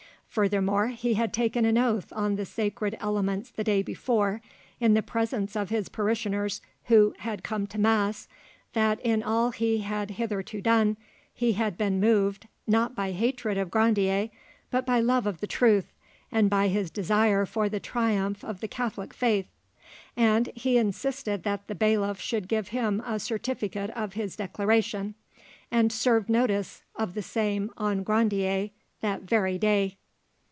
Furthermore, he had taken an oath on the sacred elements the day before, in the presence of his parishioners who had come to mass, that in all he had hitherto done he had been moved, not by hatred of Grandier, but by love of the truth, and by his desire for the triumph of the Catholic faith; and he insisted that the bailiff should give him a certificate of his declaration, and served notice of the same on Grandier that very day.